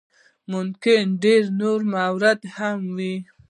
ممکن ډېر نور موارد هم وي.